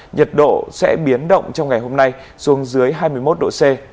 nhiệt độ sẽ biến động trong ngày hôm nay xuống dưới hai mươi một độ c